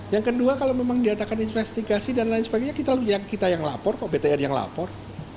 yang kedua kalau memang diatakan investigasi dan lain sebagainya kita yang lapor kok btr yang lapor